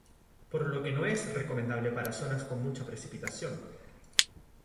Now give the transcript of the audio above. Por lo que no es recomendable para zonas con mucha precipitación.